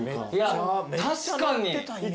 確かに。